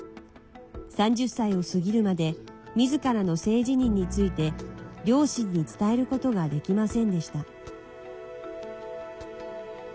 ３０歳を過ぎるまでみずからの性自認について両親に伝えることができませんでした。